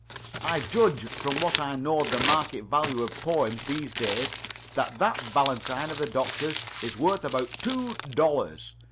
I judge, from what I know of the market value of poems these days, that that valentine of the Doctor's is worth about two dollars.